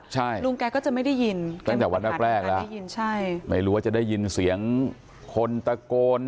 ใช่ลุงแกก็จะไม่ได้ยินตั้งแต่วันแรกแรกแล้วไม่รู้ว่าจะได้ยินเสียงคนตะโกน